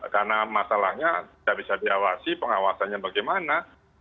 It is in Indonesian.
karena masalahnya tidak bisa diawasi pengawasannya bagaimana